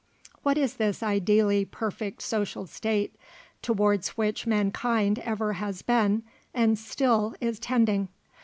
What is this ideally perfect social state towards which mankind ever has been, and still is tending?